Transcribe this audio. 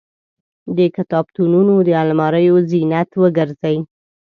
د کتابتونونو د الماریو زینت وګرځي.